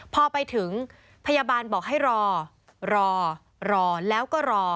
พอไปถึงพยาบาลบอกให้รอรอแล้วก็รอ